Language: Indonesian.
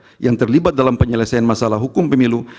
pemerintah yang terlibat dalam penyelesaian masalah hukum pemilu